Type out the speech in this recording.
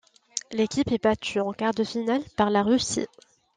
L'équipe est battue en quart de finale par la Russie.